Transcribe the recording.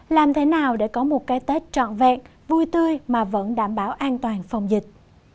làm thế nào để có một cái tết trọn vẹn vui tươi mà vẫn đảm bảo an toàn phòng dịch